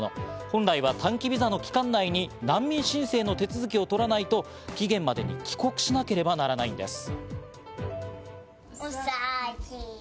本来は短期ビザの期間内に難民申請の手続きを取らないと期限までに帰国しなければならないんです。